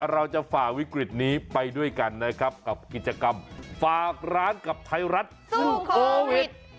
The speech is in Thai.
ฝ่าวิกฤตนี้ไปด้วยกันนะครับกับกิจกรรมฝากร้านกับไทยรัฐสู้โควิด